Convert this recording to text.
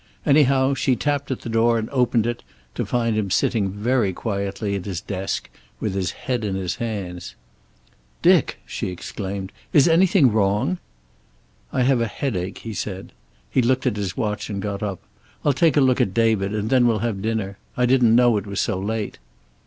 Anyhow, she tapped at the door and opened it, to find him sitting very quietly at his desk with his head in his hands. "Dick!" she exclaimed. "Is anything wrong?" "I have a headache," he said. He looked at his watch and got up. "I'll take a look at David, and then we'll have dinner. I didn't know it was so late."